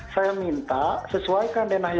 saya minta sesuaikan denahnya